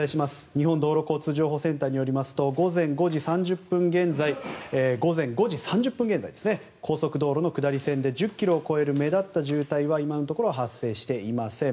日本道路交通情報センターによりますと午前５時３０分現在高速道路の下り線で１０ｋｍを超える目立った渋滞は今のところ発生していません。